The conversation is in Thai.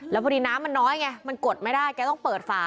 แล้วพอดีน้ำมันน้อยไงมันกดไม่ได้แกต้องเปิดฝา